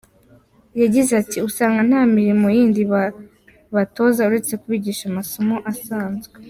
Yagize ati "Usanga nta mirimo yindi babatoza uretse kubigisha amasomo asanzwe.